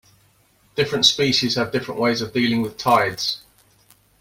Different species have different ways of dealing with tides.